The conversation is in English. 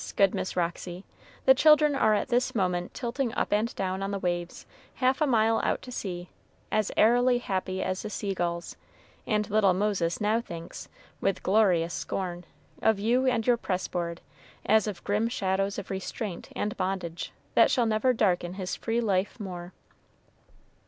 good Miss Roxy, the children are at this moment tilting up and down on the waves, half a mile out to sea, as airily happy as the sea gulls; and little Moses now thinks, with glorious scorn, of you and your press board, as of grim shadows of restraint and bondage that shall never darken his free life more.